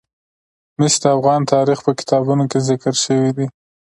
مس د افغان تاریخ په کتابونو کې ذکر شوی دي.